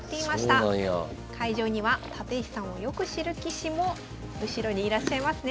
会場には立石さんをよく知る棋士も後ろにいらっしゃいますね。